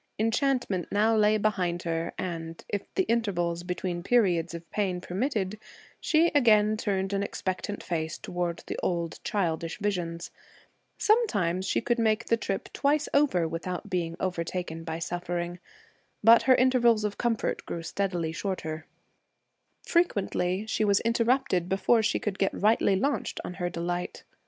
Enchantment now lay behind her, and, if the intervals between periods of pain permitted, she again turned an expectant face toward the old childish visions. Sometimes she could make the trip twice over without being overtaken by suffering. But her intervals of comfort grew steadily shorter; frequently she was interrupted before she could get rightly launched on her delight.